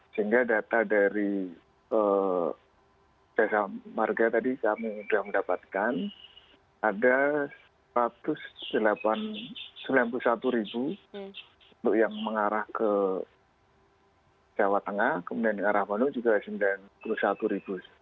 sehingga data dari desa marga tadi kami sudah mendapatkan ada rp satu ratus sembilan puluh satu untuk yang mengarah ke jawa tengah kemudian yang mengarah ke bandung juga rp satu ratus sembilan puluh satu